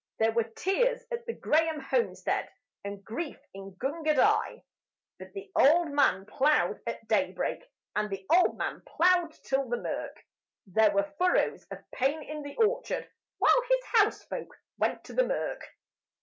There were tears at the Grahame homestead and grief in Gundagai; But the old man ploughed at daybreak and the old man ploughed till the mirk There were furrows of pain in the orchard while his housefolk went to the kirk.